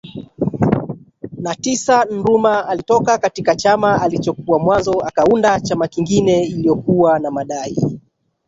na tisa Nrumah alitoka katika chama alichokuwa mwanzo akaunda chama kingine iliyokuwa na madai